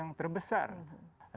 dengan populasi yang terbesar